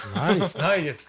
ないですか？